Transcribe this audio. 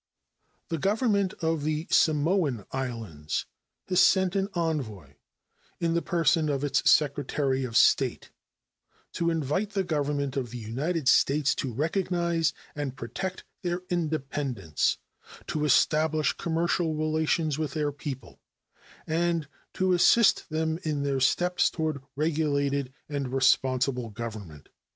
The Government of the Samoan Islands has sent an envoy, in the person of its secretary of state, to invite the Government of the United States to recognize and protect their independence, to establish commercial relations with their people, and to assist them in their steps toward regulated and responsible government.